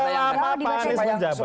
selama pak anies menjabat